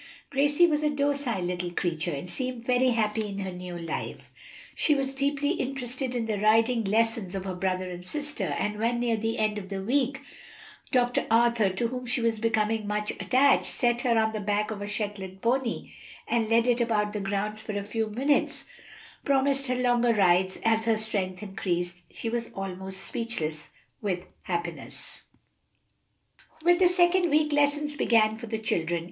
Gracie was a docile little creature, and seemed very happy in her new life. She was deeply interested in the riding lessons of her brother and sister, and when, near the end of the week, Dr. Arthur, to whom she was becoming much attached, set her on the back of a Shetland pony and led it about the grounds for a few minutes, promising her longer rides as her strength increased, she was almost speechless with happiness. With the second week lessons began for the children.